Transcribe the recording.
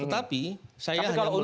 tetapi saya hanya melihat ini